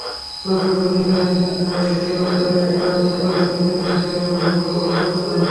তুরস্কের president Recep Tayyip Erdogan বলেছেন, তিনি রাশিয়ার সঙ্গে সম্পর্ক ভালো করতে চান।